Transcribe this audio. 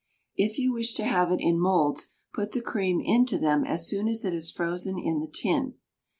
If you wish to have it in moulds, put the cream into them as soon as it is frozen in the tin.